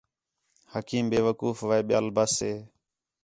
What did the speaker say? حکیم بے وقوف وہے ٻیاں بس ہے